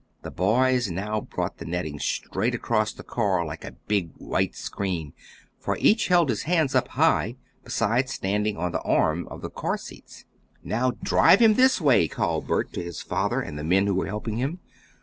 The boys now brought the netting straight across the car like a big white screen, for each held his hands up high, besides standing on the arm of the car seats. "Now drive him this way," called Bert to his father and the men who were helping him.